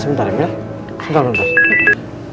sebentar ya sebentar sebentar